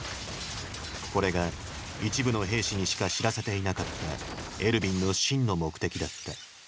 これが一部の兵士にしか知らせていなかったエルヴィンの真の目的だった。